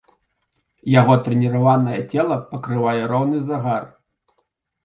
Яго трэніраванае цела пакрывае роўны загар.